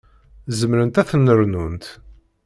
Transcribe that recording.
Zemrent ad ten-rnunt.